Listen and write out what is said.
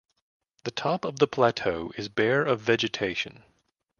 The top of the plateau is bare of vegetation.